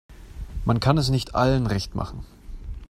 Man kann es nicht allen recht machen.